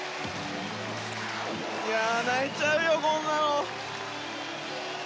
泣いちゃうよ、こんなの。